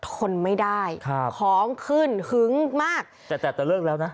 ทนไม่ได้ครับของขึ้นหึงมากแต่แต่จะเลิกแล้วนะ